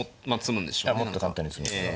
もっと簡単に詰み筋が。